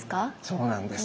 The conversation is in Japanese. そうなんです。